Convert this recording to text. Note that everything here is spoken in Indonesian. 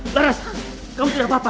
beras kamu tidak apa apa